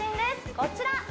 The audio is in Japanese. こちら！